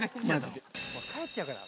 帰っちゃうから。